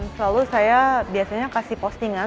selalu saya biasanya kasih postingan